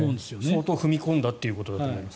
相当踏み込んだということだと思います。